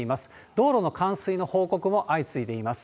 道路の冠水の報告も相次いでいます。